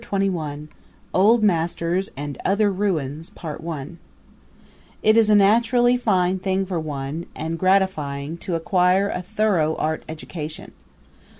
Chapter XXI Old Masters and Other Ruins It is naturally a fine thing for one, and gratifying, to acquire a thorough art education.